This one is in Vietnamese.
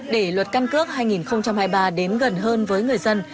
để luật căn cước hai nghìn hai mươi ba đến gần hơn với người dân